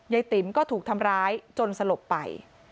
ติ๋มก็ถูกทำร้ายจนสลบไป